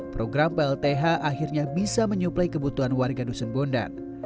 program plth akhirnya bisa menyuplai kebutuhan warga dusun bondan